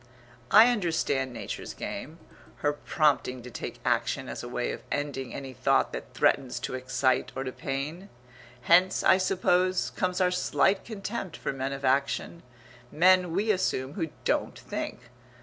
I understand Nature's game her prompting to take action as a way of ending any thought that threatens to excite or to pain. Hence, I suppose, comes our slight contempt for men of action men, we assume, who don't think.